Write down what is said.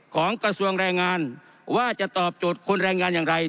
กระทรวงแรงงานว่าจะตอบโจทย์คนแรงงานอย่างไร